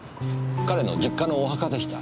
彼の実家のお墓でした。